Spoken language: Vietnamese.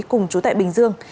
cùng chú tại bình dương